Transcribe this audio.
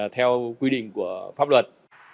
theo quy định của pháp luật